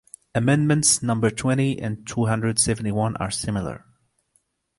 Amendments number twenty and two hundred seventy-one are similar.